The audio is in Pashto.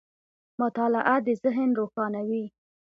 • مطالعه د ذهن روښانوي.